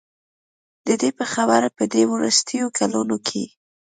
د دې په خبره په دې وروستیو کلونو کې